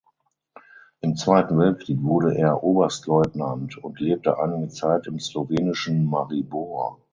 Im Zweiten Weltkrieg wurde er Oberstleutnant und lebte einige Zeit im slowenischen Maribor.